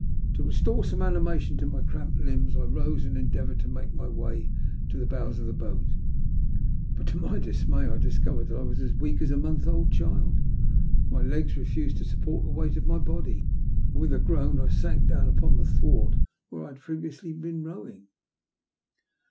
To restore some animation into my cramped limbs, I rose and endeavoured to make my way to the WB AEB SAVED. 107 bows of the boat. But, to my dismay, I discovered that I was as weak as a month old child. My legs refused to support the weight of my body, and with a groan I sank down on the thwart where I had previously been rowing.